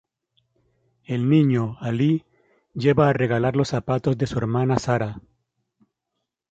El niño, Ali, lleva a arreglar los zapatos de su hermana Zahra.